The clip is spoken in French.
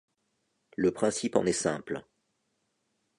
Le principe en est simple.